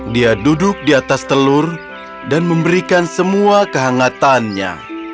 dia duduk di atas telur dan memberikan semua kehangatannya